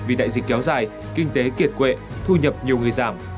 vì đại dịch kéo dài kinh tế kiệt quệ thu nhập nhiều người giảm